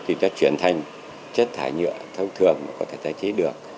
thì đã chuyển thành chất thải nhựa thông thường mà có thể tài chế được